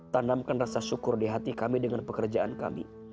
tanamkan rasa syukur di hati kami dengan pekerjaan kami